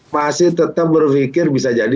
masih tetap berpikir bisa jadi